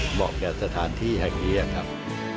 เหมาะกับสถานที่แห่งนี้ครับ